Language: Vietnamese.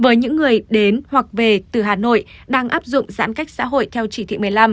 với những người đến hoặc về từ hà nội đang áp dụng giãn cách xã hội theo chỉ thị một mươi năm